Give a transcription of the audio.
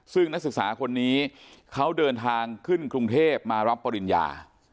ซึ่งนักศึกษาคนนี้เขาเดินทางขึ้นกรุงเทพมารับปริญญา